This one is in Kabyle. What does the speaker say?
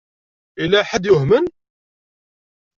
Yella ḥedd yuhmen?